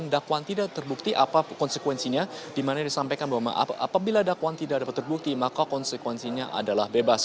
dakwaan tidak terbukti apa konsekuensinya dimana disampaikan bahwa apabila dakwaan tidak dapat terbukti maka konsekuensinya adalah bebas